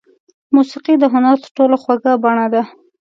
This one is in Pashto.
موسیقي د هنر تر ټولو خوږه بڼه ده.